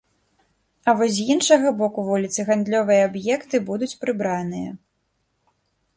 А вось з іншага боку вуліцы гандлёвыя аб'екты будуць прыбраныя.